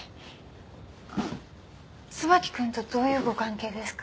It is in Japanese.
あっ椿君とどういうご関係ですか？